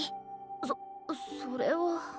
そそれは。